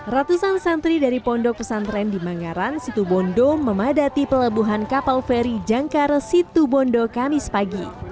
ratusan santri dari pondok pesantren di manggaran situ bondo memadati pelebuhan kapal feri jangkar situ bondo kamis pagi